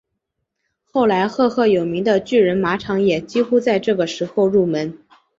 后来赫赫有名的巨人马场也几乎在这个时候入门。